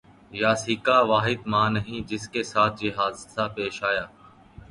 یاسیکا واحد ماں نہیں جس کے ساتھ یہ حادثہ پیش آیا